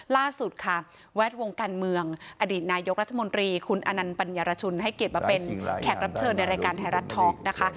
ล่าสุดค่ะแวดวงการเมืองอดีตนายกรัฐมนตรีคุณอนันต์ปัญญารชุนให้เกียรติมาเป็นแขกรับเชิญในรายการไทยรัฐท็อกนะคะ